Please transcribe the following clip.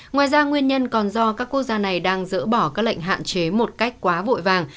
ngoài ra nguyên nhân còn do các quốc gia này đang dỡ bỏ các lệnh hạn chế một cách quá vội vàng